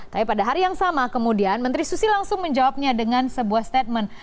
tapi pada hari yang sama kemudian menteri susi langsung menjawabnya dengan sebuah statement